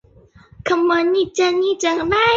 该热带低气压保持向西北方向的路径。